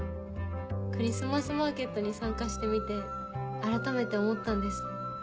クリスマスマーケットに参加してみてあらためて思ったんです。